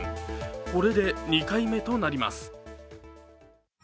これで２回目となります。